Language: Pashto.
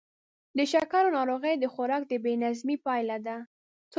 د شکرو ناروغي د خوراک د بې نظمۍ پایله ده.